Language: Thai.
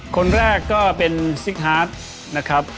คนแรกก็เป็นซิกฮาร์ดนะครับ